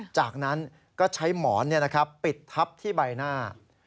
จากนั้นก็ใช้หมอนปิดทับที่ใบหน้า